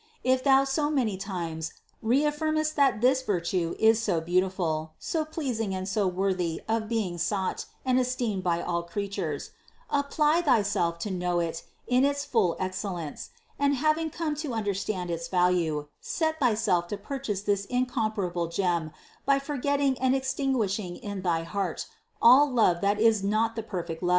If thou so many times reaffirmest that this virtue is so beautiful, so pleasing and so worthy of being sought and esteemed by all creatures, apply thyself to know it in its full excellence ; and having come to under stand its value, set thyself to purchase this incomparable gem by forgetting and extinguishing in thy heart all love that is not the perfect love.